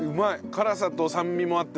辛さと酸味もあってね。